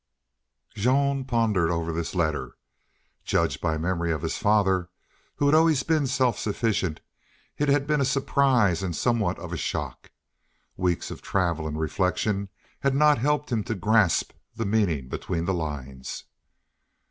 Jean pondered over this letter. Judged by memory of his father, who had always been self sufficient, it had been a surprise and somewhat of a shock. Weeks of travel and reflection had not helped him to grasp the meaning between the lines.